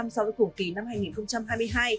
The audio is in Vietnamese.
sau cuối cùng kỳ năm hai nghìn hai mươi hai